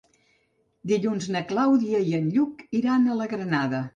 Dilluns na Clàudia i en Lluc iran a la Granada.